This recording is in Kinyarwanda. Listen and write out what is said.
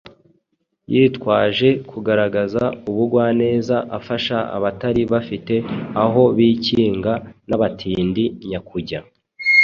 yitwaje kugaragaza ubugwaneza afasha abatari bafite aho bikinga n’abatindi nyakujya.